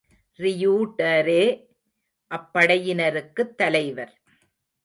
ரியூடரே அப்படையினருக்குத் தலைவர்.